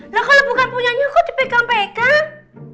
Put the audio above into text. lah kalau bukan punya nya kok dipegang pegang